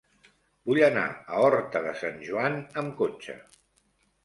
Vull anar a Horta de Sant Joan amb cotxe.